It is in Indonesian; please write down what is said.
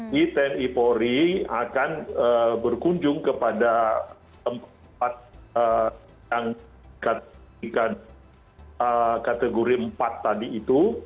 di tni dan polri akan berkunjung kepada tempat yang dikategorikan kategori empat tadi itu